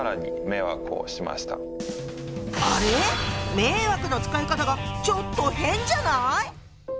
「迷惑」の使い方がちょっと変じゃない？